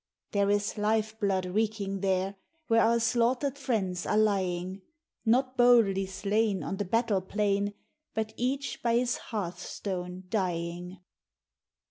There is life blood reeking there! Where our slaughtered friends are lying; Not boldly slain On the battle plain, But each by his hearth stone dying.